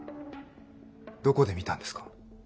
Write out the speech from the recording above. どこで見たんですか？